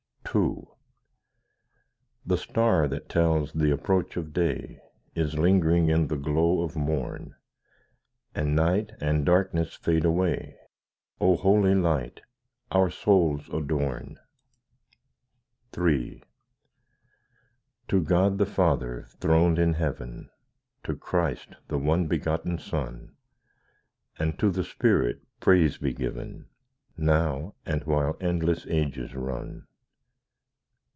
II The star that tells the approach of day Is lingering in the glow of morn, And night and darkness fade away— O Holy Light, our souls adorn! III To God the Father throned in heaven, To Christ the One Begotten Son, And to the Spirit praise be given, Now, and while endless ages run.